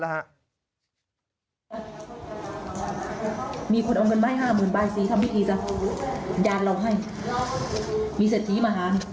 มีคนเอาเงินมาให้ห้าหมื่นใบสิทำพิธีซะยานเราให้มีเศรษฐีมาหา